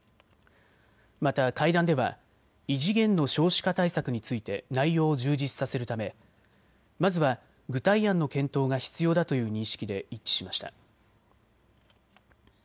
また会談では異次元の少子化対策について内容を充実させるためまずは具体案の検討が必要だという認識で一致しました。